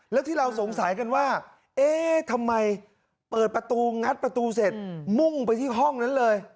แล้วที่เราสงสัยกันว่าเอ๊ะทำไมเปิดประตูงัดประตูเสร็จมุ่งไปที่ห้องนั้นเลย